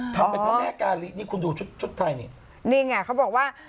ทำเป็นพระแม่กาลินี่คุณดูชุดชุดไทยนี่นี่ไงเขาบอกว่า